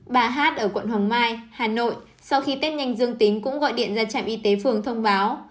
bà hát ở quận hoàng mai hà nội sau khi tết nhanh dương tính cũng gọi điện ra trạm y tế phường thông báo